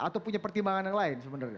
atau punya pertimbangan yang lain sebenarnya